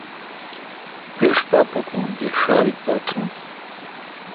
پِِݭ پا پھکون تے ݭا ریک پا تھون۔